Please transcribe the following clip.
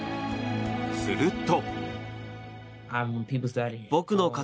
すると。